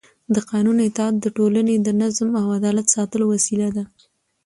د قانون اطاعت د ټولنې د نظم او عدالت ساتلو وسیله ده